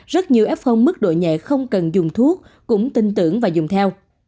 rất nhiều f mức độ nhẹ không cần dùng thuốc cũng tin tưởng và dùng theo